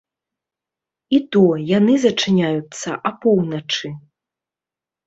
І то, яны зачыняюцца апоўначы.